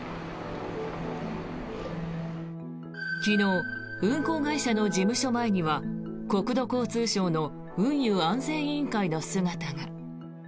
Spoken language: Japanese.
昨日、運航会社の事務所前には国土交通省の運輸安全委員会の姿が。